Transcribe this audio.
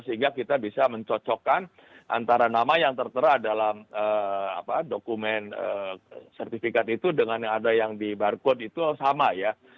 sehingga kita bisa mencocokkan antara nama yang tertera dalam dokumen sertifikat itu dengan yang ada yang di barcode itu sama ya